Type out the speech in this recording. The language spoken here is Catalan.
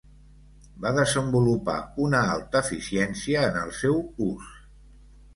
Va desenvolupar una alta eficiència en el seu ús.